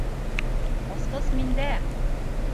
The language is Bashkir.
Асҡыс миндә!